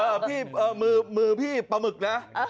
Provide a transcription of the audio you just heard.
พี่มือพี่ปลาหมึกนะ